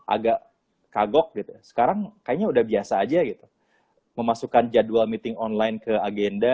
agak kagok gitu sekarang kayaknya udah biasa aja gitu memasukkan jadwal meeting online ke agenda